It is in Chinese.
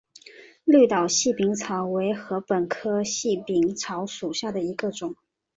绿岛细柄草为禾本科细柄草属下的一个种。